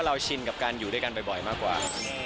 ชินกับการอยู่ด้วยกันบ่อยมากกว่า